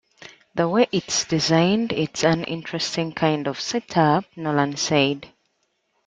The way it's designed, it's an interesting kind of setup, Nolan said.